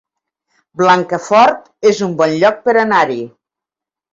Blancafort es un bon lloc per anar-hi